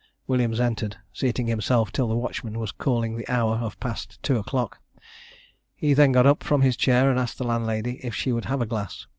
Williams entered, seating himself till the watchman was calling the hour of past two o'clock. He then got up from his chair, and asked the landlady if she would have a glass.